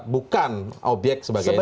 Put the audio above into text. bukan obyek sebagainya